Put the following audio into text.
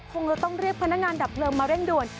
คงจะต้องเรียกพนักงานดับเพลิงมาเร่งด่วน